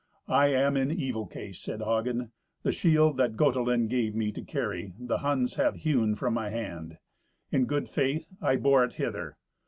I am in evil case," said Hagen. "The shield that Gotelind gave me to carry, the Huns have hewn from my hand. In good faith I bore it hither.